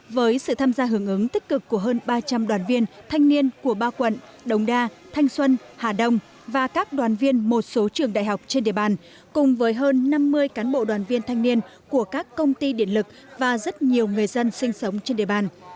với sự tham gia hưởng ứng tích cực của hơn ba trăm linh đoàn viên thanh niên của ba quận đồng đa thanh xuân hà đông và các đoàn viên một số trường đại học trên địa bàn cùng với hơn năm mươi cán bộ đoàn viên thanh niên của các công ty điện lực và rất nhiều người dân sinh sống trên địa bàn